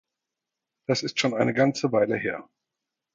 Das ist schon eine ganze Weile her.